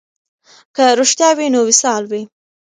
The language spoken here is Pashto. که رښتیا وي نو وصال وي.